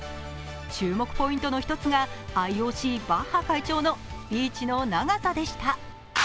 注目ポイントの一つがＩＯＣバッハ会長のスピーチの長さでした。